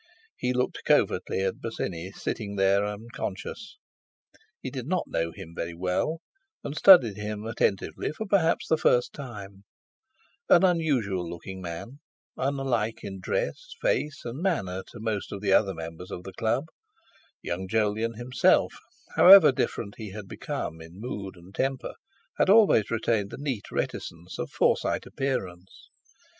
He looked covertly at Bosinney sitting there unconscious. He did not know him very well, and studied him attentively for perhaps the first time; an unusual looking man, unlike in dress, face, and manner to most of the other members of the Club—young Jolyon himself, however different he had become in mood and temper, had always retained the neat reticence of Forsyte appearance.